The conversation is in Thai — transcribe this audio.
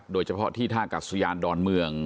โดยเฉพาะที่ท่ากัศยานดอนเมือง